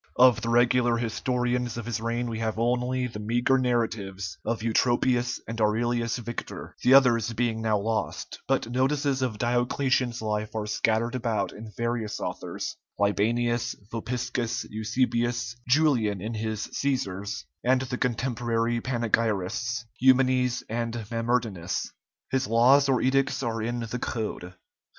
Of the regular historians of his reign we have only the meagre narratives of Eutropius and Aurelius Victor, the others being now lost; but notices of Diocletian's life are scattered about in various authors, Libanius, Vopiscus, Eusebius, Julian in his "Cæsars," and the contemporary panegyrists, Eumenes and Mamertinus. His laws or edicts are in the "Code."